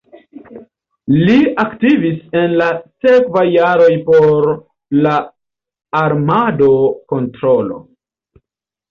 Li aktivis en la sekvaj jaroj por la armado-kontrolo.